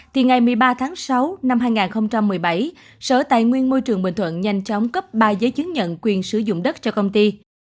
thì ngày một mươi ba tháng sáu năm hai nghìn một mươi bảy sở tài nguyên môi trường bình thuận nhanh chóng cấp ba giấy chứng nhận quyền sử dụng đất cho công ty